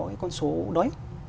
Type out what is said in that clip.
cái con số đó